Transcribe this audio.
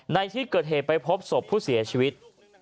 ในที่เกิดเหตุไปพบศพผู้เสียชีวิต